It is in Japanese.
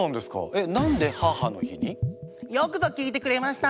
えっよくぞ聞いてくれました！